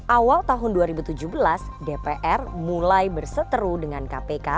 awal tahun dua ribu tujuh belas dpr mulai berseteru dengan kpk